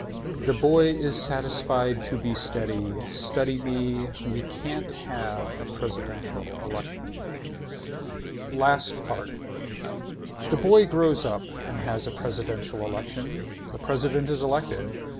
The boy is satisfied to be steady. Study me. Why can't we have a presidential election. LAST PART The boy grows up and has a presidential election. The president is elected.